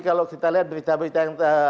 kalau kita lihat berita berita yang